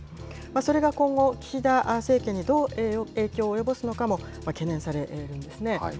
それが今後、岸田政権にどう影響を及ぼすのかも、懸念されるんですね。